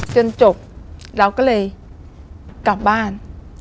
จนจบเราก็เลยกลับบ้าน